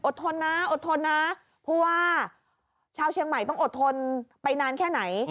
ทนนะอดทนนะผู้ว่าชาวเชียงใหม่ต้องอดทนไปนานแค่ไหน